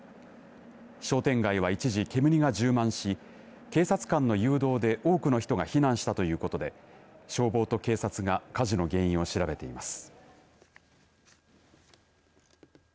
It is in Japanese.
商店街は一時、煙が充満し警察官の誘導で多くの人が避難したということで消防と警察が火事の原因を調べています。